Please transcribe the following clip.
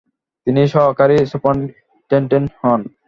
তিনি সহকারী সুপারিনটেনডেন্ট হন।